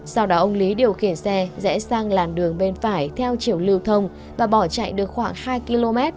sau đó ông lý điều khiển xe rẽ sang làn đường bên phải theo chiều lưu thông và bỏ chạy được khoảng hai km